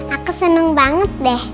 aku seneng banget deh